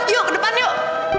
yuk ke depan yuk